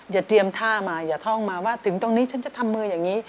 อย่าเตรียมท่ามาอย่าท่องมาว่าถึงตรงนี้ฉันจะทำมืออย่างนี้